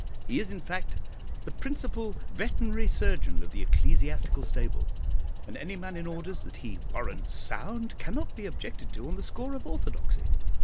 He is, in fact, the principal veterinary surgeon of the ecclesiastical stable, and any man in orders that he 'warrants sound' cannot be objected to on the score of orthodoxy.